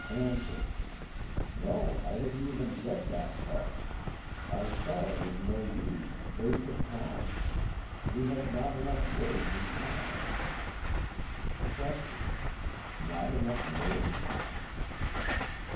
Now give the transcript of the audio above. ANSWER: No, I didn't even get that far. I saw it was no use, waste of time. We had not enough words in common. QUESTION: Not enough words?